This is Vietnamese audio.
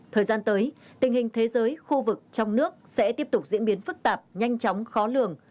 thời gian tới tình hình thế giới khu vực trong nước sẽ tiếp tục diễn biến phức tạp nhanh chóng khó lường